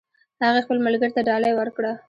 هغې خپل ملګري ته ډالۍ ورکړه